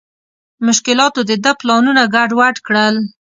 مشکلاتو د ده پلانونه ګډ وډ کړل.